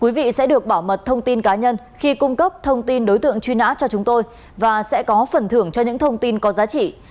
quý vị sẽ được bảo mật thông tin cá nhân khi cung cấp thông tin đối tượng truy nã cho chúng tôi và sẽ có phần thưởng cho những thông tin có giá trị